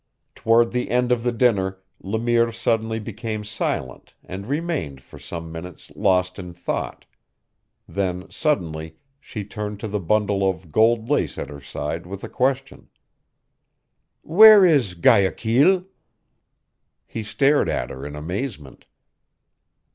Toward the end of the dinner Le Mire suddenly became silent and remained for some minutes lost in thought; then, suddenly, she turned to the bundle of gold lace at her side with a question: "Where is Guayaquil?" He stared at her in amazement.